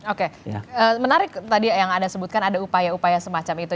oke menarik tadi yang anda sebutkan ada upaya upaya semacam itu